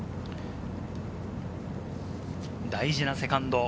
大事なセカンド。